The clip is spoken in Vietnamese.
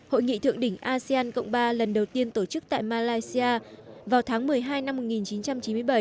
hội nghị thượng đỉnh asean cộng ba lần đầu tiên tổ chức tại malaysia vào tháng một mươi hai năm một nghìn chín trăm chín mươi bảy